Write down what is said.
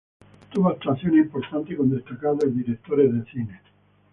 Tuvo actuaciones importantes con destacados directores de cine.